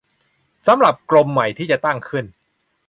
สำหรับกรมใหม่ที่จะตั้งขึ้น